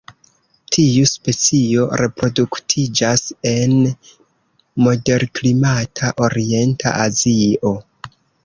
Tiu specio reproduktiĝas en moderklimata orienta Azio.